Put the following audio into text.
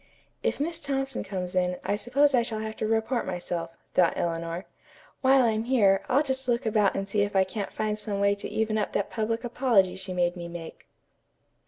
"If Miss Thompson comes in, I suppose I shall have to report myself," thought Eleanor. "While I'm here, I'll just look about and see if I can't find some way to even up that public apology she made me make."